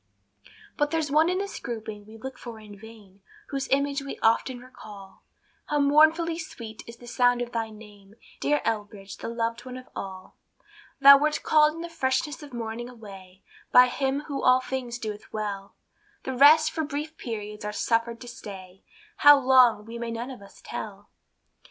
But there's one in this grouping we look for in vain, Whose image we often recall; How mournfully sweet is the sound of thy name, Dear Elbridge, the loved one of all. Thou wert called in the freshness of morning away, By him who all things doeth well; The rest for brief periods are suffered to stay, How long, we may none of us tell.